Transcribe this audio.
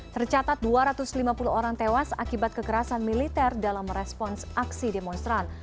tercatat dua ratus lima puluh orang tewas akibat kekerasan militer dalam merespons aksi demonstran